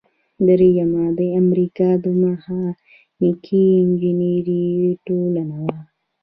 دریمه د امریکا د میخانیکي انجینری ټولنه وه.